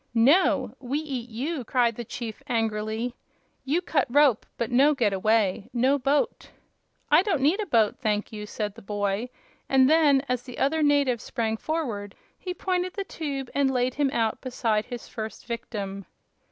"No! We eat you," cried the chief, angrily. "You cut rope, but no get away; no boat!" "I don't need a boat, thank you," said the boy; and then, as the other native sprang forward, he pointed the tube and laid him out beside his first victim.